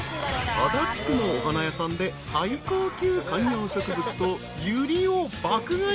［足立区のお花屋さんで最高級観葉植物とユリを爆買い］